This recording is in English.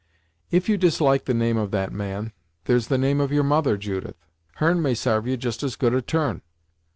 "If you dislike the name of that man, there's the name of your mother, Judith. Her'n may sarve you just as good a turn."